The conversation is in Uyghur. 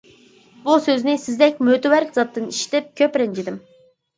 بۇ سۆزنى سىزدەك مۆتىۋەر زاتتىن ئىشىتىپ كۆپ رەنجىدىم.